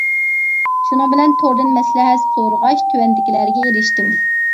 شۇنىڭ بىلەن توردىن مەسلىھەت سورىغاچ، تۆۋەندىكىلەرگە ئېرىشتىم.